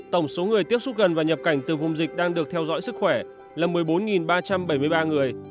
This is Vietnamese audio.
tổng số người tiếp xúc gần và nhập cảnh từ vùng dịch đang được theo dõi sức khỏe là một mươi bốn ba trăm bảy mươi ba người